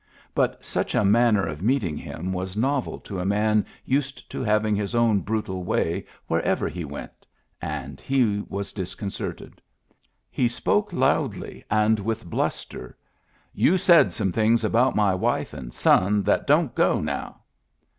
But such a manner of meeting him was novel to a man used to having his own brutal way wher ever he went, and he was disconcerted. He spoke loudly and with bluster: — Digitized by Google THE GIFT HORSE 203 " You said some things about my wife and son that don't go now."